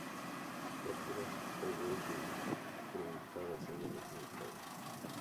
Cápsulas obovoide truncadas; semillas angulares.